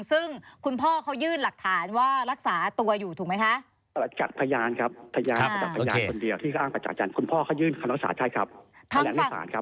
ซึ่งคุณพ่อเขายื่นหลักฐานว่ารักษาตัวอยู่ถูกไหมคะ